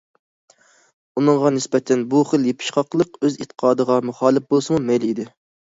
ئۇنىڭغا نىسبەتەن بۇ خىل يېپىشقاقلىق ئۆز ئېتىقادىغا مۇخالىپ بولسىمۇ مەيلى ئىدى.